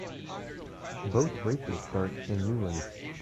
Both races start in Newlands.